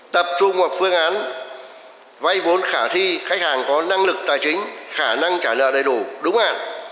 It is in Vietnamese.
tập trung vào phương án vay vốn khả thi khách hàng có năng lực tài chính khả năng trả nợ đầy đủ đúng hạn